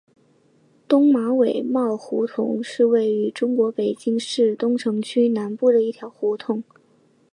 东马尾帽胡同是位于中国北京市东城区南部的一条胡同。